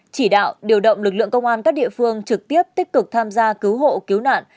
chỉ đạo điều động lực lượng công an các địa phương trực tiếp tích cực tham gia cứu hộ cứu nạn